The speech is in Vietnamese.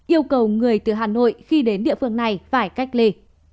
yêu cầu người từ hà nội khi đến địa phương này phải cách ly